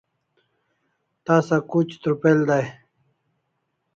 tasa kuch trupel day